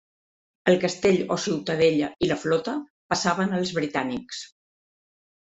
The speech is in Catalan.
El castell o ciutadella i la flota passaven als britànics.